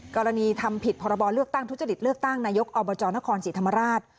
กรณีทำผิดพรบเลือกตั้งทุจริตเลือกตั้งนายกอบจนครศรีธรรมราช